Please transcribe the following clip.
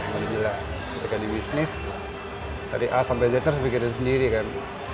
ketika di bisnis dari a sampai z harus bikin sendiri kan